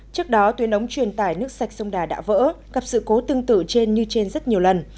trước đó tuyến ống truyền tải nước sạch sông đà đã vỡ gặp sự cố tương tự trên như trên rất nhiều lần